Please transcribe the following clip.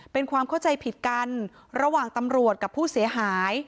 เป็นความเข้าใจผิดกันระหว่างตำรวจกับผู้เสียหาย